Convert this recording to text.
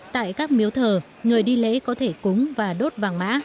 tại các miếu thờ người đi lễ có thể cúng và đốt vàng mã